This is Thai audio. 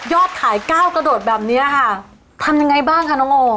ขายก้าวกระโดดแบบนี้ค่ะทำยังไงบ้างคะน้องโอ